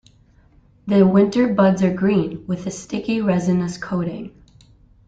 The winter buds are green, with a sticky resinous coating.